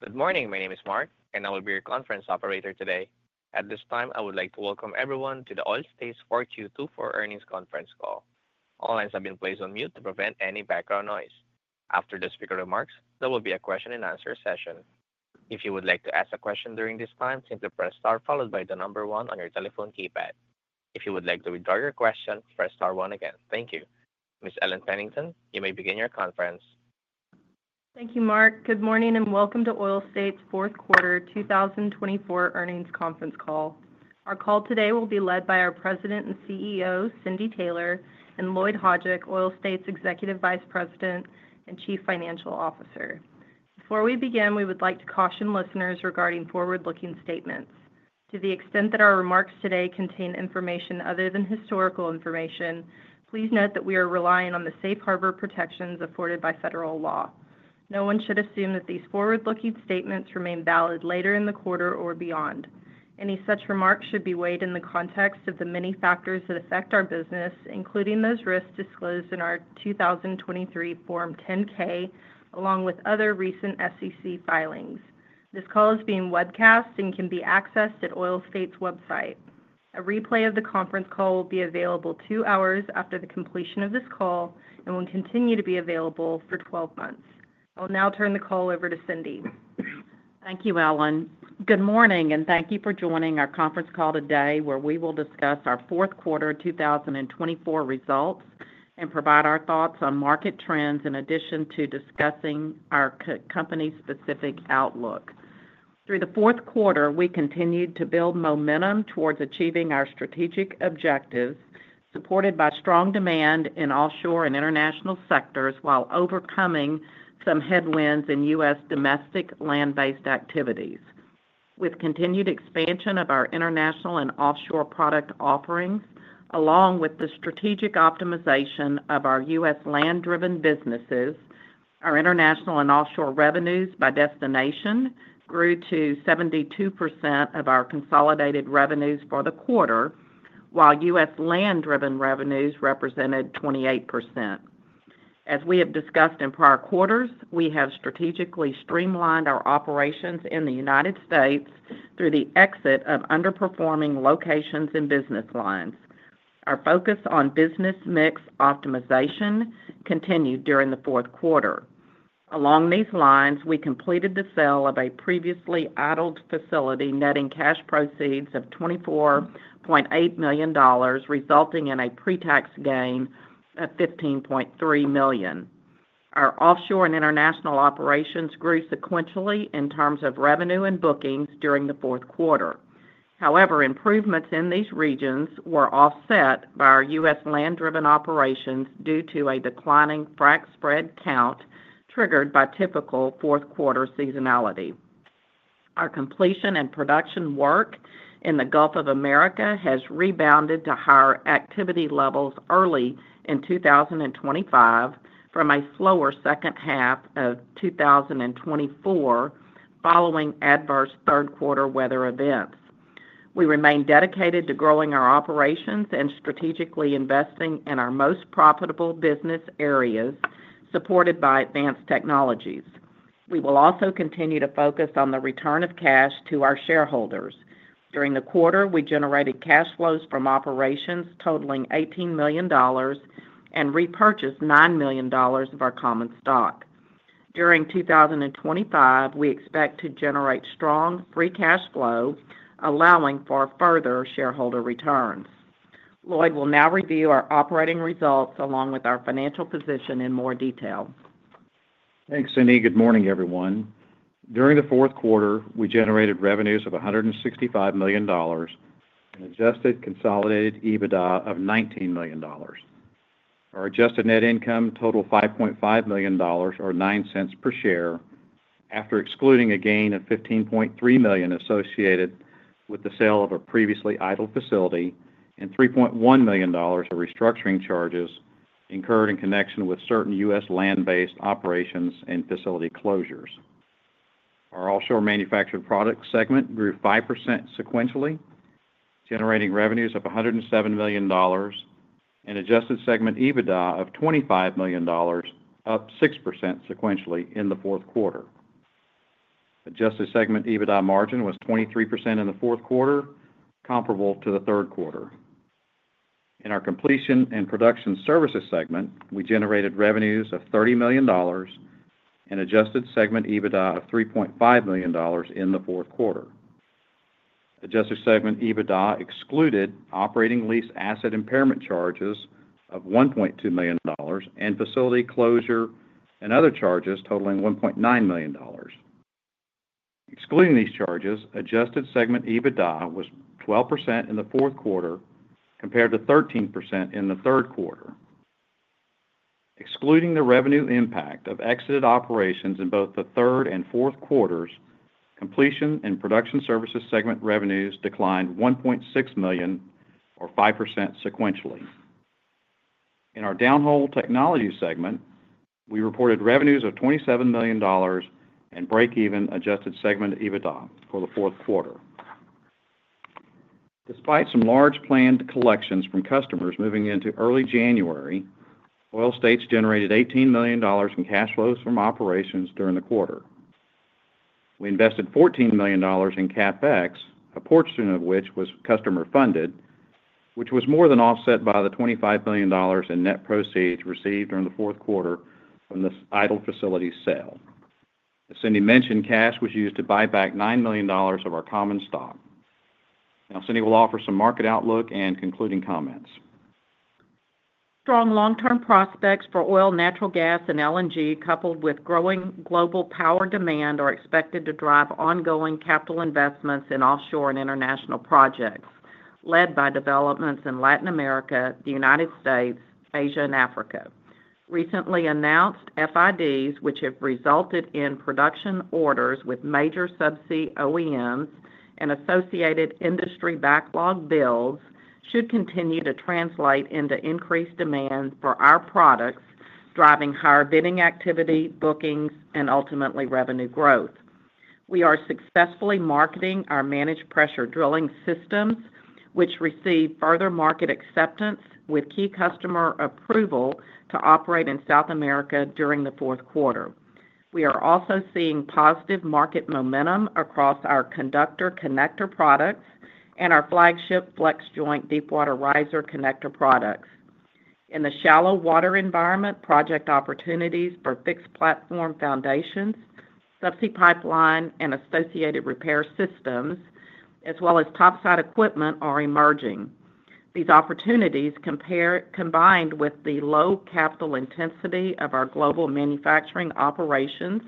Good morning. My name is Mark, and I will be your conference operator today. At this time, I would like to welcome everyone to the Oil States 4th Quarter for earnings conference call. All lines have been placed on mute to prevent any background noise. After the speaker remarks, there will be a question-and-answer session. If you would like to ask a question during this time, simply press star followed by the number one on your telephone keypad. If you would like to withdraw your question, press star one again. Thank you. Ms. Ellen Pennington, you may begin your conference. Thank you, Mark. Good morning and welcome to Oil States 4th Quarter 2024 earnings conference call. Our call today will be led by our President and CEO, Cindy Taylor, and Lloyd Hajdik, Oil States' Executive Vice President and Chief Financial Officer. Before we begin, we would like to caution listeners regarding forward-looking statements. To the extent that our remarks today contain information other than historical information, please note that we are relying on the safe harbor protections afforded by federal law. No one should assume that these forward-looking statements remain valid later in the quarter or beyond. Any such remarks should be weighed in the context of the many factors that affect our business, including those risks disclosed in our 2023 Form 10-K, along with other recent SEC filings. This call is being webcast and can be accessed at Oil States' website. A replay of the conference call will be available two hours after the completion of this call and will continue to be available for 12 months. I'll now turn the call over to Cindy. Thank you, Ellen. Good morning, and thank you for joining our conference call today, where we will discuss our fourth quarter 2024 results and provide our thoughts on market trends in addition to discussing our company-specific outlook. Through the fourth quarter, we continued to build momentum towards achieving our strategic objectives, supported by strong demand in offshore and international sectors while overcoming some headwinds in U.S. domestic land-based activities. With continued expansion of our international and offshore product offerings, along with the strategic optimization of our U.S. land-driven businesses, our international and offshore revenues by destination grew to 72% of our consolidated revenues for the quarter, while U.S. land-driven revenues represented 28%. As we have discussed in prior quarters, we have strategically streamlined our operations in the United States through the exit of underperforming locations and business lines. Our focus on business mix optimization continued during the fourth quarter. Along these lines, we completed the sale of a previously idled facility netting cash proceeds of $24.8 million, resulting in a pre-tax gain of $15.3 million. Our offshore and international operations grew sequentially in terms of revenue and bookings during the fourth quarter. However, improvements in these regions were offset by our U.S. land-driven operations due to a declining frac spread count triggered by typical fourth quarter seasonality. Our completion and production work in the Gulf of America has rebounded to higher activity levels early in 2025 from a slower second half of 2024 following adverse third quarter weather events. We remain dedicated to growing our operations and strategically investing in our most profitable business areas, supported by advanced technologies. We will also continue to focus on the return of cash to our shareholders. During the quarter, we generated cash flows from operations totaling $18 million and repurchased $9 million of our common stock. During 2025, we expect to generate strong free cash flow, allowing for further shareholder returns. Lloyd will now review our operating results along with our financial position in more detail. Thanks, Cindy. Good morning, everyone. During the fourth quarter, we generated revenues of $165 million and adjusted consolidated EBITDA of $19 million. Our adjusted net income totaled $5.5 million, or $0.09 per share, after excluding a gain of $15.3 million associated with the sale of a previously idled facility and $3.1 million of restructuring charges incurred in connection with certain U.S. land-based operations and facility closures. Our Offshore Manufactured Products segment grew 5% sequentially, generating revenues of $107 million and adjusted segment EBITDA of $25 million, up 6% sequentially in the fourth quarter. Adjusted segment EBITDA margin was 23% in the fourth quarter, comparable to the third quarter. In our Completion and Production Services segment, we generated revenues of $30 million and adjusted segment EBITDA of $3.5 million in the fourth quarter. Adjusted Segment EBITDA excluded operating lease asset impairment charges of $1.2 million and facility closure and other charges totaling $1.9 million. Excluding these charges, adjusted Segment EBITDA was 12% in the fourth quarter compared to 13% in the third quarter. Excluding the revenue impact of exited operations in both the third and fourth quarters, Completion and Production Services segment revenues declined $1.6 million, or 5% sequentially. In our Downhole Technology segment, we reported revenues of $27 million and break-even adjusted Segment EBITDA for the fourth quarter. Despite some large planned collections from customers moving into early January, Oil States generated $18 million in cash flows from operations during the quarter. We invested $14 million in CapEx, a portion of which was customer-funded, which was more than offset by the $25 million in net proceeds received during the fourth quarter from this idled facility sale. As Cindy mentioned, cash was used to buy back $9 million of our common stock. Now, Cindy will offer some market outlook and concluding comments. Strong long-term prospects for oil, natural gas, and LNG, coupled with growing global power demand, are expected to drive ongoing capital investments in offshore and international projects led by developments in Latin America, the United States, Asia, and Africa. Recently announced FIDs, which have resulted in production orders with major subsea OEMs and associated industry backlog builds, should continue to translate into increased demand for our products, driving higher bidding activity, bookings, and ultimately revenue growth. We are successfully marketing our Managed Pressure Drilling systems, which received further market acceptance with key customer approval to operate in South America during the fourth quarter. We are also seeing positive market momentum across our Conductor Connector products and our flagship FlexJoint deep water riser connector products. In the shallow water environment, project opportunities for fixed platform foundations, subsea pipeline, and associated repair systems, as well as topside equipment, are emerging. These opportunities, combined with the low capital intensity of our global manufacturing operations,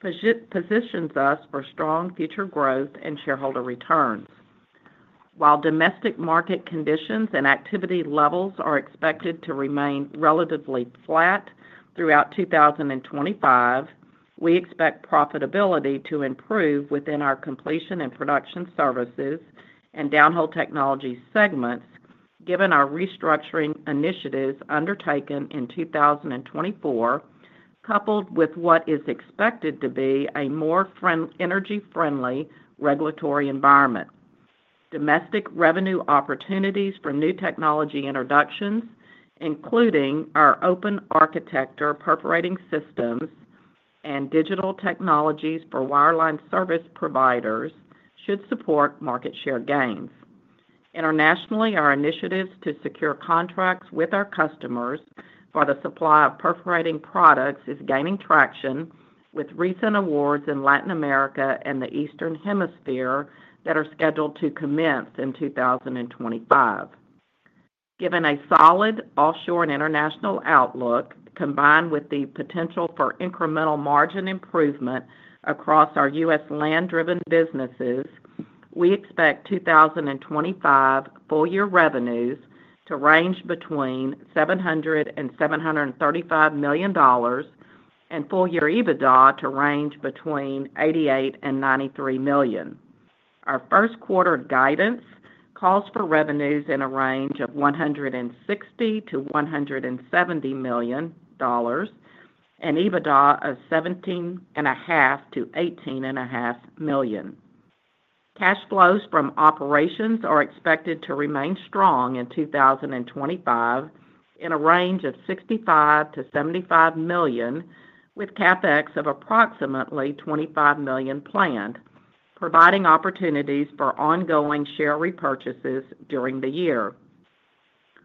positions us for strong future growth and shareholder returns. While domestic market conditions and activity levels are expected to remain relatively flat throughout 2025, we expect profitability to improve within our completion and production services and downhole technology segments, given our restructuring initiatives undertaken in 2024, coupled with what is expected to be a more energy-friendly regulatory environment. Domestic revenue opportunities for new technology introductions, including our open architecture perforating systems and digital technologies for wireline service providers, should support market share gains. Internationally, our initiatives to secure contracts with our customers for the supply of perforating products are gaining traction, with recent awards in Latin America and the Eastern Hemisphere that are scheduled to commence in 2025. Given a solid offshore and international outlook, combined with the potential for incremental margin improvement across our U.S. land-driven businesses, we expect 2025 full-year revenues to range between $700-$735 million and full-year EBITDA to range between $88-$93 million. Our first quarter guidance calls for revenues in a range of $160-$170 million and EBITDA of $17.5-$18.5 million. Cash flows from operations are expected to remain strong in 2025 in a range of $65-$75 million, with CapEx of approximately $25 million planned, providing opportunities for ongoing share repurchases during the year.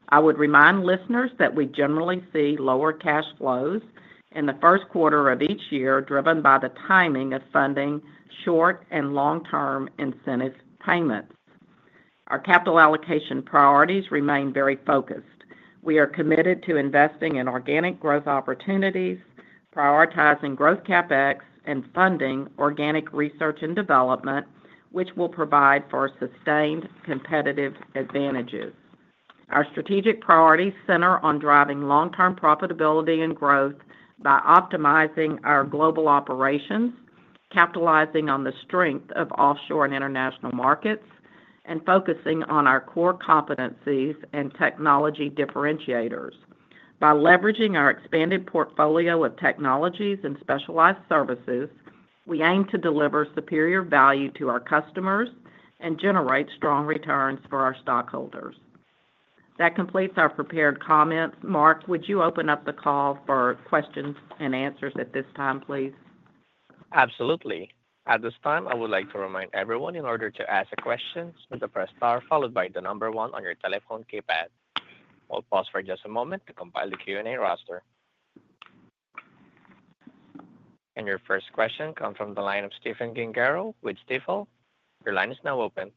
I would remind listeners that we generally see lower cash flows in the first quarter of each year, driven by the timing of funding short- and long-term incentive payments. Our capital allocation priorities remain very focused. We are committed to investing in organic growth opportunities, prioritizing growth CapEx, and funding organic research and development, which will provide for sustained competitive advantages. Our strategic priorities center on driving long-term profitability and growth by optimizing our global operations, capitalizing on the strength of offshore and international markets, and focusing on our core competencies and technology differentiators. By leveraging our expanded portfolio of technologies and specialized services, we aim to deliver superior value to our customers and generate strong returns for our stockholders. That completes our prepared comments. Mark, would you open up the call for questions and answers at this time, please? Absolutely. At this time, I would like to remind everyone in order to ask a question to press star, followed by the number one on your telephone keypad. I'll pause for just a moment to compile the Q&A roster. And your first question comes from the line of Stephen Gengaro with Stifel. Your line is now open.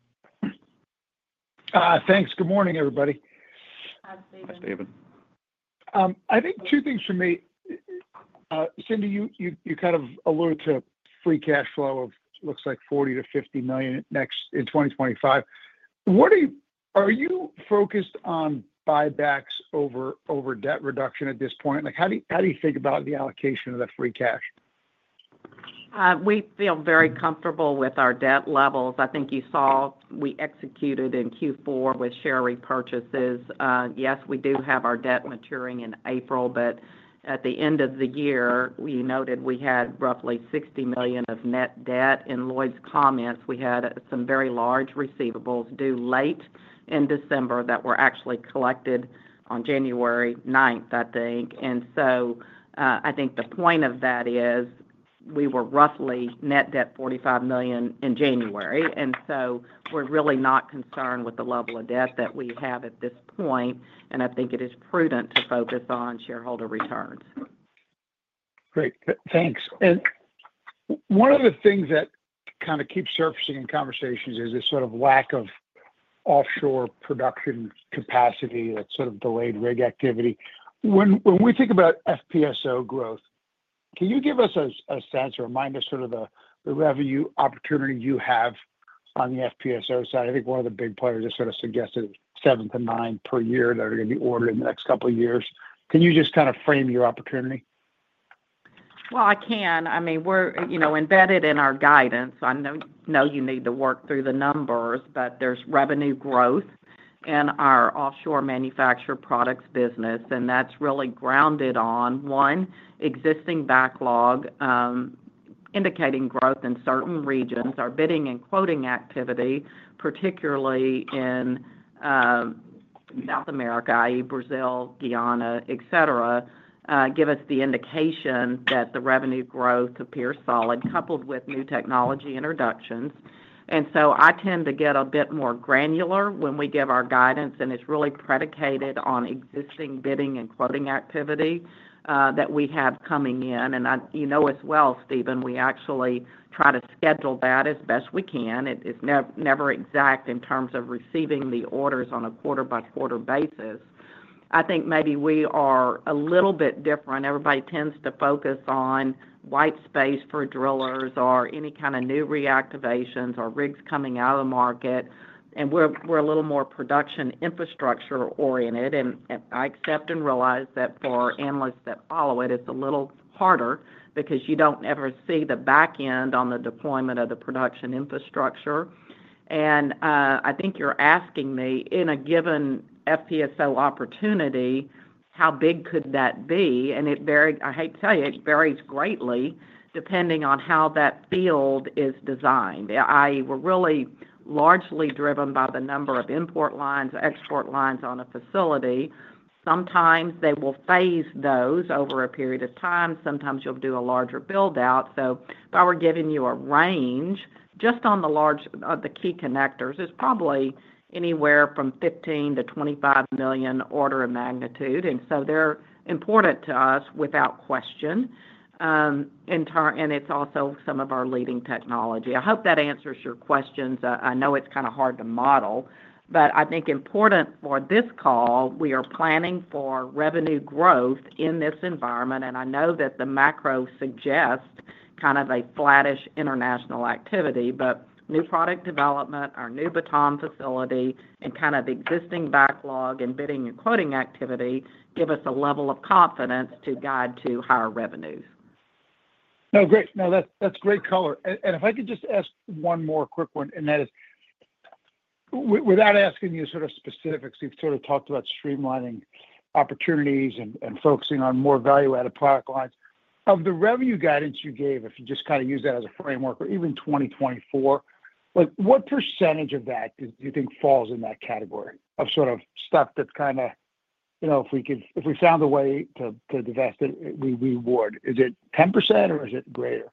Thanks. Good morning, everybody. Hi, Stephan. Hi, Stephen. I think two things for me. Cindy, you kind of alluded to free cash flow of, looks like, $40-$50 million in 2025. Are you focused on buybacks over debt reduction at this point? How do you think about the allocation of that free cash? We feel very comfortable with our debt levels. I think you saw we executed in Q4 with share repurchases. Yes, we do have our debt maturing in April, but at the end of the year, we noted we had roughly $60 million of net debt. In Lloyd's comments, we had some very large receivables due late in December that were actually collected on January 9th, I think. And so I think the point of that is we were roughly net debt $45 million in January. And so we're really not concerned with the level of debt that we have at this point. And I think it is prudent to focus on shareholder returns. Great. Thanks, and one of the things that kind of keeps surfacing in conversations is this sort of lack of offshore production capacity that sort of delayed rig activity. When we think about FPSO growth, can you give us a sense or a reminder sort of the revenue opportunity you have on the FPSO side? I think one of the big players I sort of suggested is seven to nine per year that are going to be ordered in the next couple of years. Can you just kind of frame your opportunity? I can. I mean, we're embedded in our guidance. I know you need to work through the numbers, but there's revenue growth in our offshore manufactured products business. And that's really grounded on, one, existing backlog indicating growth in certain regions. Our bidding and quoting activity, particularly in South America, i.e., Brazil, Guyana, etc., give us the indication that the revenue growth appears solid, coupled with new technology introductions. And so I tend to get a bit more granular when we give our guidance. And it's really predicated on existing bidding and quoting activity that we have coming in. And you know as well, Stephen, we actually try to schedule that as best we can. It's never exact in terms of receiving the orders on a quarter-by-quarter basis. I think maybe we are a little bit different. Everybody tends to focus on white space for drillers or any kind of new reactivations or rigs coming out of the market. And we're a little more production infrastructure-oriented. And I accept and realize that for analysts that follow it, it's a little harder because you don't ever see the back end on the deployment of the production infrastructure. And I think you're asking me, in a given FPSO opportunity, how big could that be? And I hate to tell you, it varies greatly depending on how that field is designed. I mean, we're really largely driven by the number of import lines, export lines on a facility. Sometimes they will phase those over a period of time. Sometimes you'll do a larger buildout. So if I were giving you a range just on the key connectors, it's probably anywhere from $15-$25 million order of magnitude. And so they're important to us without question. And it's also some of our leading technology. I hope that answers your questions. I know it's kind of hard to model, but I think important for this call, we are planning for revenue growth in this environment. And I know that the macro suggests kind of a flattish international activity, but new product development, our new Batam facility, and kind of existing backlog and bidding and quoting activity give us a level of confidence to guide to higher revenues. Oh, great. No, that's great color. And if I could just ask one more quick one, and that is, without asking you sort of specifics, we've sort of talked about streamlining opportunities and focusing on more value-added product lines. Of the revenue guidance you gave, if you just kind of use that as a framework, or even 2024, what percentage of that do you think falls in that category of sort of stuff that's kind of, if we found a way to divest it, we would? Is it 10%, or is it greater?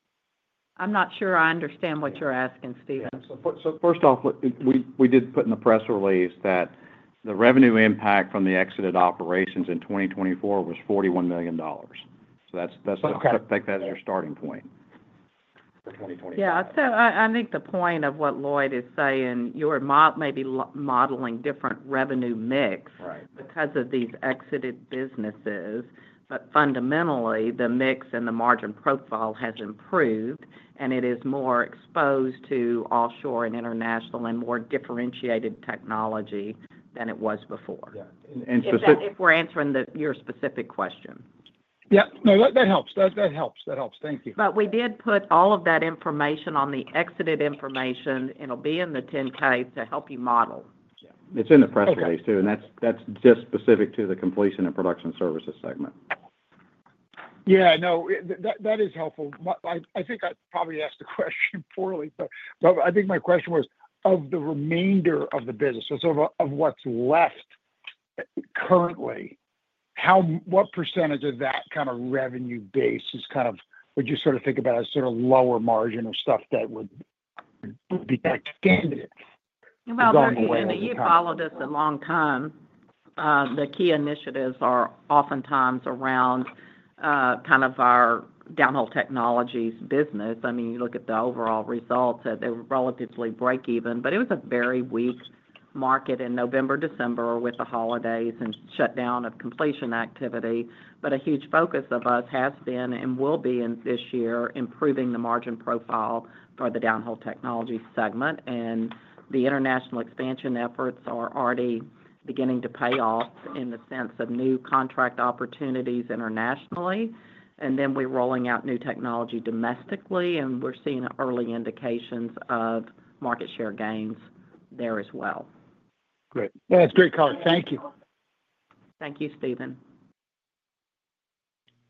I'm not sure I understand what you're asking, Stephen. So first off, we did put in the press release that the revenue impact from the exited operations in 2024 was $41 million. So that's. Take that as your starting point for 2024. Yeah, so I think the point of what Lloyd is saying, you're maybe modeling different revenue mix because of these exited businesses. But fundamentally, the mix and the margin profile has improved, and it is more exposed to offshore and international and more differentiated technology than it was before. Yeah, and specific. If we're answering your specific question. Yeah. No, that helps. Thank you. But we did put all of that information on the website information. It'll be in the 10-K to help you model. Yeah. It's in the press release too, and that's just specific to the Completion and Production Services segment. Yeah. No, that is helpful. I think I probably asked the question poorly, but I think my question was, of the remainder of the business, so sort of of what's left currently, what percentage of that kind of revenue base is kind of what you sort of think about as sort of lower margin or stuff that would be expanded along the way? Beckington, you followed us a long time. The key initiatives are oftentimes around kind of our downhole technologies business. I mean, you look at the overall results, they were relatively break-even. But it was a very weak market in November, December with the holidays and shutdown of completion activity. But a huge focus of us has been and will be this year improving the margin profile for the downhole technology segment. And the international expansion efforts are already beginning to pay off in the sense of new contract opportunities internationally. And then we're rolling out new technology domestically. And we're seeing early indications of market share gains there as well. Great. That's great color. Thank you. Thank you, Stephen.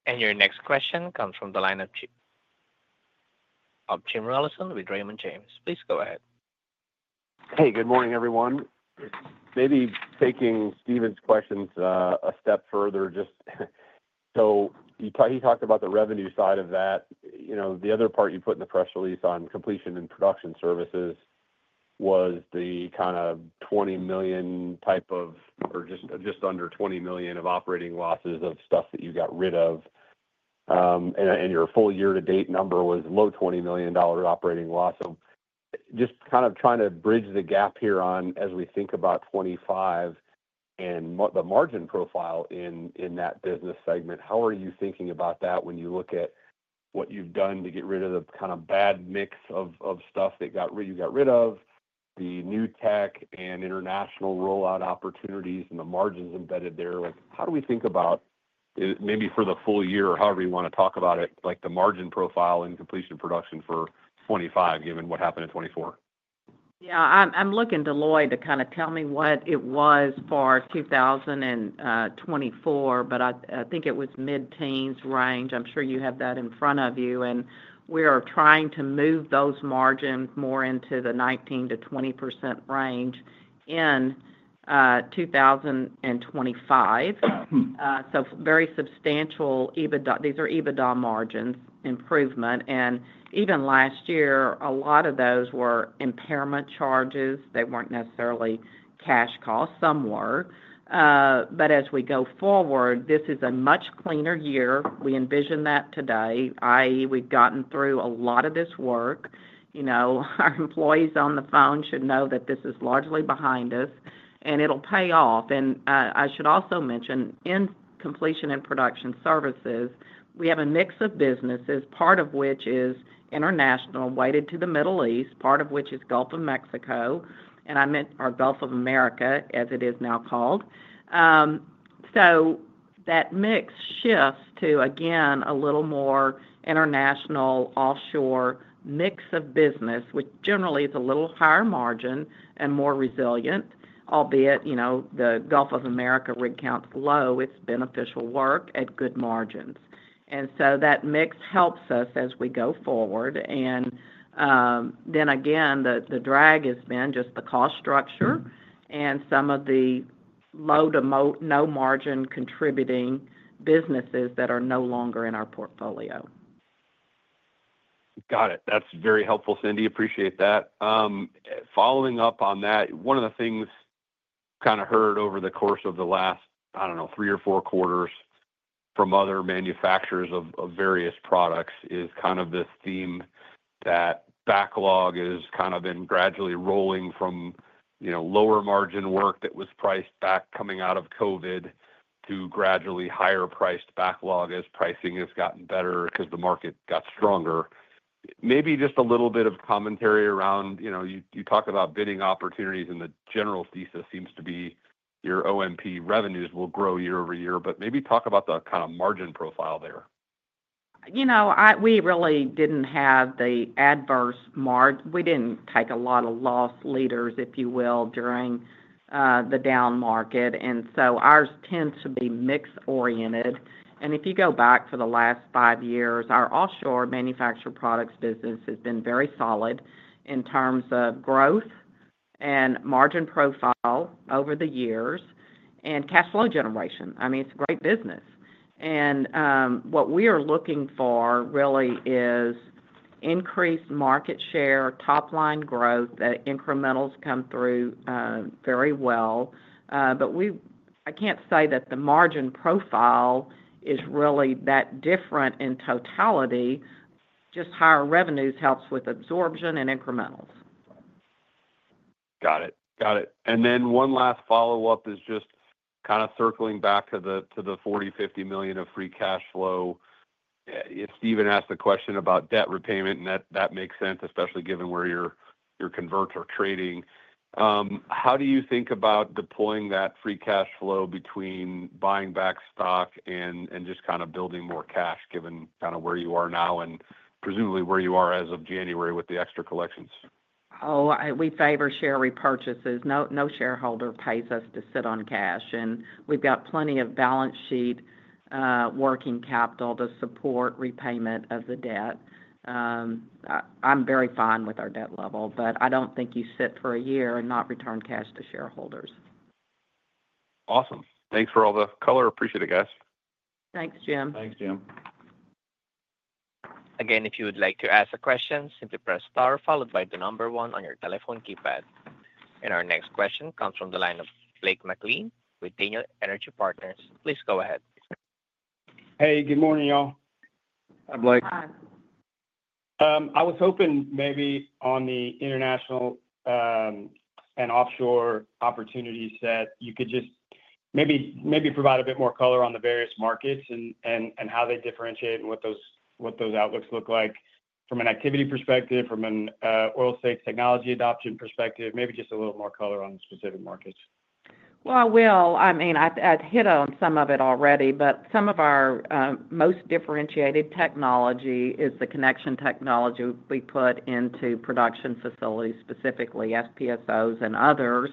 And your next question comes from the line of Jim Rollyson with Raymond James. Please go ahead. Hey, good morning, everyone. Maybe taking Steven's questions a step further, just so he talked about the revenue side of that. The other part you put in the press release on completion and production services was the kind of $20 million type of or just under $20 million of operating losses of stuff that you got rid of. And your full year-to-date number was low $20 million operating loss. So just kind of trying to bridge the gap here on, as we think about 2025 and the margin profile in that business segment, how are you thinking about that when you look at what you've done to get rid of the kind of bad mix of stuff that you got rid of, the new tech and international rollout opportunities and the margins embedded there? How do we think about, maybe for the full year or however you want to talk about it, the margin profile and completion production for 2025, given what happened in 2024? Yeah. I'm looking to Lloyd to kind of tell me what it was for 2024, but I think it was mid-teens range. I'm sure you have that in front of you. And we are trying to move those margins more into the 19%-20% range in 2025. So very substantial EBITDA. These are EBITDA margins improvement. And even last year, a lot of those were impairment charges. They weren't necessarily cash costs. Some were. But as we go forward, this is a much cleaner year. We envision that today, i.e., we've gotten through a lot of this work. Our employees on the phone should know that this is largely behind us. And it'll pay off. And I should also mention, in Completion and Production Services, we have a mix of businesses, part of which is international weighted to the Middle East, part of which is Gulf of Mexico, and I meant our Gulf of America, as it is now called. So that mix shifts to, again, a little more international offshore mix of business, which generally is a little higher margin and more resilient, albeit the Gulf of America rig counts low. It's beneficial work at good margins. And so that mix helps us as we go forward. And then again, the drag has been just the cost structure and some of the low to no margin contributing businesses that are no longer in our portfolio. Got it. That's very helpful, Cindy. Appreciate that. Following up on that, one of the things kind of heard over the course of the last, I don't know, three or four quarters from other manufacturers of various products is kind of this theme that backlog has kind of been gradually rolling from lower margin work that was priced back coming out of COVID to gradually higher-priced backlog as pricing has gotten better because the market got stronger. Maybe just a little bit of commentary around you talk about bidding opportunities, and the general thesis seems to be your OMP revenues will grow year-over-year, but maybe talk about the kind of margin profile there. We really didn't have the adverse margin. We didn't take a lot of loss leaders, if you will, during the down market. And so ours tends to be mixed-oriented. And if you go back for the last five years, our Offshore Manufactured Products business has been very solid in terms of growth and margin profile over the years and cash flow generation. I mean, it's a great business. And what we are looking for really is increased market share, top-line growth that incrementals come through very well. But I can't say that the margin profile is really that different in totality. Just higher revenues helps with absorption and incrementals. Got it. Got it. And then one last follow-up is just kind of circling back to the $40-$50 million of free cash flow. If Stephen asked the question about debt repayment, and that makes sense, especially given where your converts are trading. How do you think about deploying that free cash flow between buying back stock and just kind of building more cash, given kind of where you are now and presumably where you are as of January with the extra collections? Oh, we favor share repurchases. No shareholder pays us to sit on cash. And we've got plenty of balance sheet working capital to support repayment of the debt. I'm very fine with our debt level, but I don't think you sit for a year and not return cash to shareholders. Awesome. Thanks for all the color. Appreciate it, guys. Thanks, Jim. Thanks, Jim. Again, if you would like to ask a question, simply press star followed by the number one on your telephone keypad. And our next question comes from the line of Blake McLean with Daniel Energy Partners. Please go ahead. Hey, good morning, y'all. Hi, Blake. Hi. I was hoping maybe on the international and offshore opportunities that you could just maybe provide a bit more color on the various markets and how they differentiate and what those outlooks look like from an activity perspective, from an Oil States technology adoption perspective, maybe just a little more color on specific markets. I will. I mean, I hit on some of it already, but some of our most differentiated technology is the connection technology we put into production facilities, specifically FPSOs and others,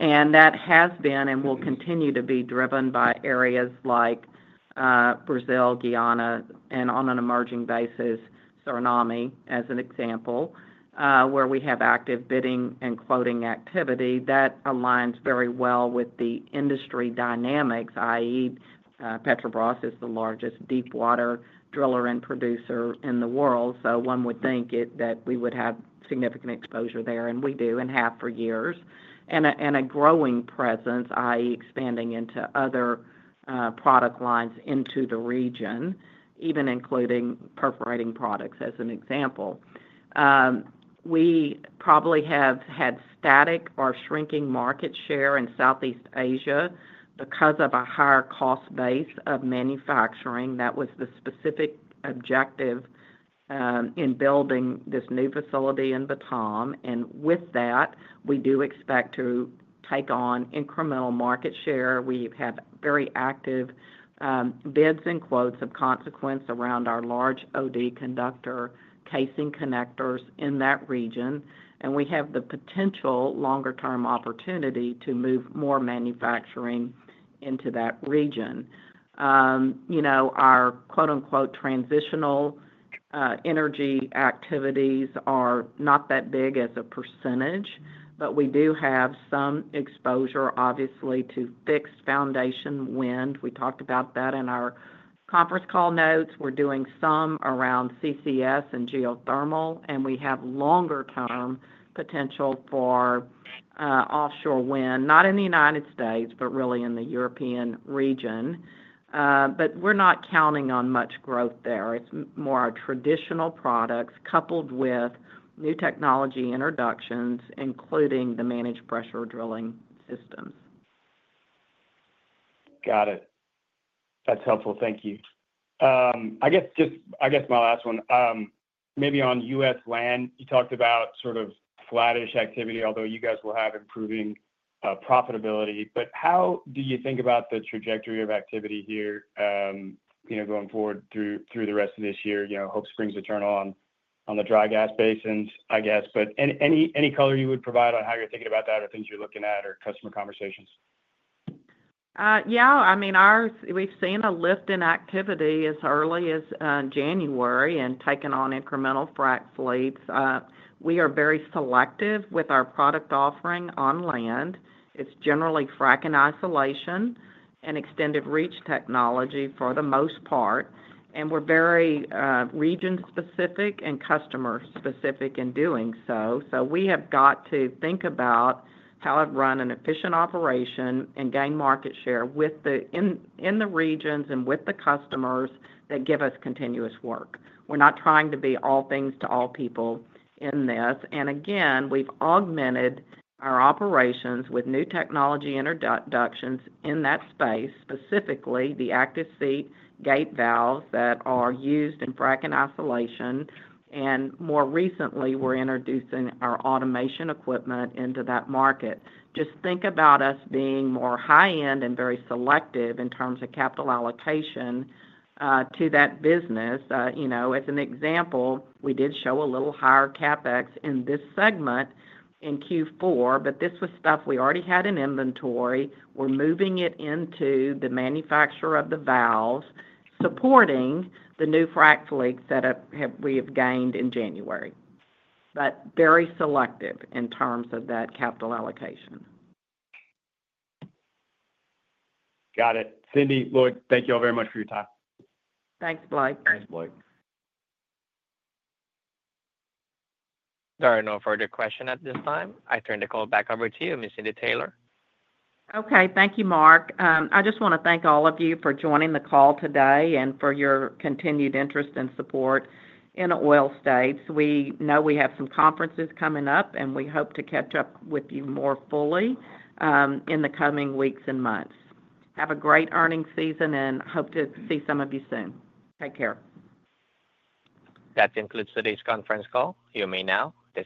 and that has been and will continue to be driven by areas like Brazil, Guyana, and on an emerging basis, Suriname as an example, where we have active bidding and quoting activity. That aligns very well with the industry dynamics, i.e., Petrobras is the largest deep-water driller and producer in the world, so one would think that we would have significant exposure there, and we do and have for years, and a growing presence, i.e., expanding into other product lines into the region, even including perforating products as an example. We probably have had static or shrinking market share in Southeast Asia because of a higher cost base of manufacturing. That was the specific objective in building this new facility in Batam, and with that, we do expect to take on incremental market share. We have had very active bids and quotes of consequence around our large OD conductor casing connectors in that region, and we have the potential longer-term opportunity to move more manufacturing into that region. Our "transitional energy activities" are not that big as a percentage, but we do have some exposure, obviously, to fixed foundation wind. We talked about that in our conference call notes. We're doing some around CCS and geothermal, and we have longer-term potential for offshore wind, not in the United States, but really in the European region, but we're not counting on much growth there. It's more our traditional products coupled with new technology introductions, including the managed pressure drilling systems. Got it. That's helpful. Thank you. I guess my last one, maybe on U.S. land, you talked about sort of flattish activity, although you guys will have improving profitability. But how do you think about the trajectory of activity here going forward through the rest of this year? Hope springs to turn on the dry gas basins, I guess. But any color you would provide on how you're thinking about that or things you're looking at or customer conversations? Yeah. I mean, we've seen a lift in activity as early as January and taken on incremental frac fleets. We are very selective with our product offering on land. It's generally frac and isolation and extended reach technology for the most part. And we're very region-specific and customer-specific in doing so. So we have got to think about how to run an efficient operation and gain market share in the regions and with the customers that give us continuous work. We're not trying to be all things to all people in this. And again, we've augmented our operations with new technology introductions in that space, specifically the Active Seat Gate Valves that are used in frac and isolation. And more recently, we're introducing our automation equipment into that market. Just think about us being more high-end and very selective in terms of capital allocation to that business. As an example, we did show a little higher CapEx in this segment in Q4, but this was stuff we already had in inventory. We're moving it into the manufacture of the valves, supporting the new frac fleet that we have gained in January, but very selective in terms of that capital allocation. Got it. Cindy, Lloyd, thank you all very much for your time. Thanks, Blake. Thanks, Blake. There are no further questions at this time. I turn the call back over to you, Ms. Cindy Taylor. Okay. Thank you, Mark. I just want to thank all of you for joining the call today and for your continued interest and support in Oil States. We know we have some conferences coming up, and we hope to catch up with you more fully in the coming weeks and months. Have a great earnings season and hope to see some of you soon. Take care. That concludes today's conference call. You may now.